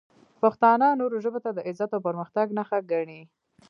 پښتانه نورو ژبو ته د عزت او پرمختګ نښه ګڼي.